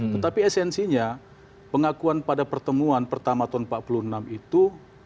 tetapi esensinya pengakuan pada pertemuan pertama tahun seribu sembilan ratus empat puluh enam itu